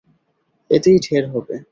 এতেই ঢের হবে।